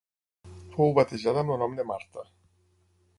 Fou batejada amb el nom de Marta.